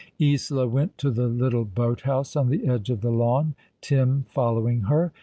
Isola went to the little boat house on the edge of the lawn, Tim following her.